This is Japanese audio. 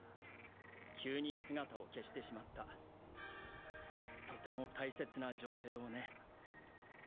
急に姿を消してしまったとても大切な女性をね。